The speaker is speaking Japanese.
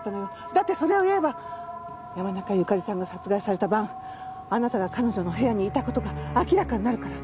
だってそれを言えば山中由佳里さんが殺害された晩あなたが彼女の部屋にいた事が明らかになるから。